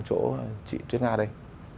chỗ chị tuyết nga đây